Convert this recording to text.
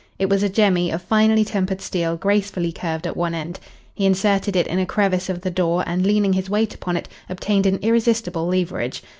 It was a jemmy of finely tempered steel gracefully curved at one end. He inserted it in a crevice of the door and, leaning his weight upon it, obtained an irresistible leverage.